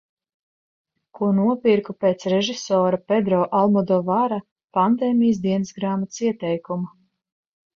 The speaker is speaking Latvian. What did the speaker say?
Ko nopirku pēc režisora Pedro Almodovara pandēmijas dienasgrāmatas ieteikuma.